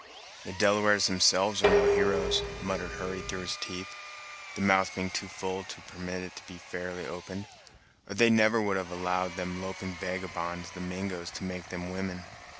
"The Delawares themselves are no heroes," muttered Hurry through his teeth, the mouth being too full to permit it to be fairly opened, "or they would never have allowed them loping vagabonds, the Mingos, to make them women."